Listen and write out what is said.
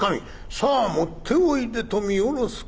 『さぁ持っておいで』と見下ろす顔。